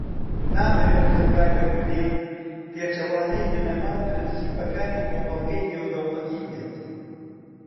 نامانەوێت هەنگاوێک بنێین، پێچەوانەوەی بنەما و پرەنسیپەکانی کۆمەڵگەی نێودەوڵەتی بێت.